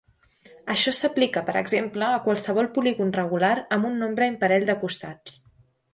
Això s'aplica, per exemple, a qualsevol polígon regular amb un nombre imparell de costats.